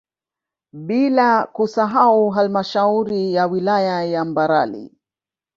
Bila kusahau halmashauri ya wilaya ya Mbarali